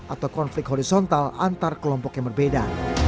atau konflik horizontal antar kelompok yang berbeda